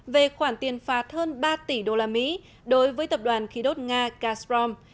về khoản tiền phạt hơn ba tỷ usd đối với tập đoàn khí đốt nga castrom